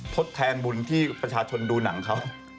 ทดแทนบุญที่ประชาชนดูหนังเขา